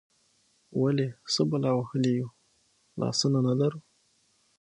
ولې، څه بلا وهلي یو، لاسونه نه لرو؟